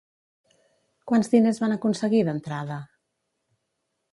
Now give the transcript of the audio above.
Quants diners van aconseguir d'entrada?